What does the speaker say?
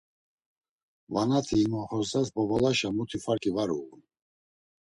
Vanati him oxorzas bobolaşe muti farki var uğun.